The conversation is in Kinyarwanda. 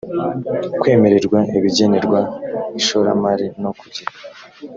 kwemererwa ibigenerwa ishoramari no kugira